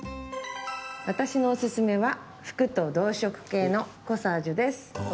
私のおすすめは服と同色系のコサージュです。